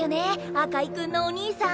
赤井君のお兄さん。